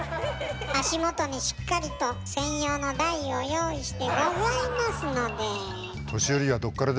足元にしっかりと専用の台を用意してございますので。